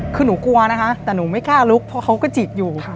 คือหนูกลัวนะคะแต่หนูไม่กล้าลุกเพราะเขาก็จีบอยู่